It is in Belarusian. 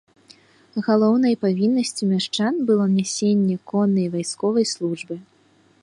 Галоўнай павіннасцю мяшчан было нясенне коннай вайсковай службы.